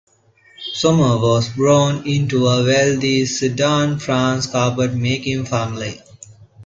Sommer was born into a wealthy Sedan, France carpet making family.